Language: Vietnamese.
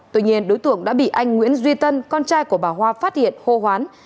tuy nhiên đối tượng đã bị anh nguyễn duy tân con trai của bà hoa phát hiện hô hoán